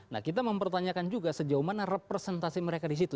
nah kita mempertanyakan juga sejauh mana representasi mereka disitu